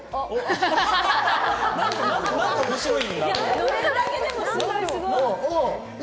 乗れるだけでもすごい。